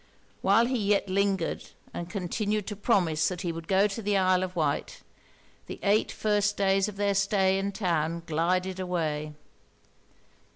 While he yet lingered, and continued to promise that he would go to the Isle of Wight, the eight first days of their stay in town glided away.